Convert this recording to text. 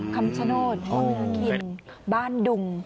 คำชโน่นผู้ข้างบ้านสนุก